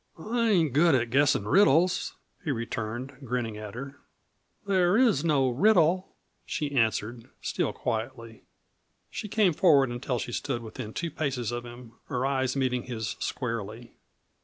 "I ain't good at guessin' riddles," he returned, grinning at her. "There is no riddle," she answered, still quietly. She came forward until she stood within two paces of him, her eyes meeting his squarely.